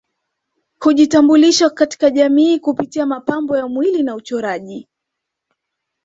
Hujitambulisha katika jamii kupitia mapambo ya mwili na uchoraji